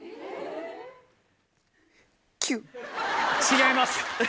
違います